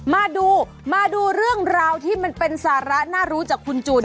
มาดูมาดูเรื่องราวที่มันเป็นสาระน่ารู้จากคุณจูน